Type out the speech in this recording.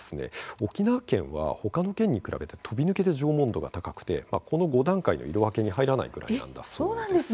沖縄県は他の県に比べて飛び抜けて縄文度が高くてこの５段階の色分けに入らないくらいなんだそうです。